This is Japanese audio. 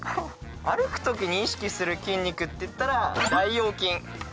歩く時に意識する筋肉っていったら大腰筋。